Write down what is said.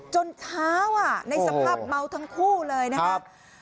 จนเช้าในสภาพเมาทั้งคู่เลยนะครับ